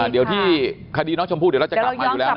เดี๋ยวที่คดีน้องชมพู่เดี๋ยวเราจะกลับมาอยู่แล้วนะ